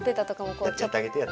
やっちゃってあげてよ。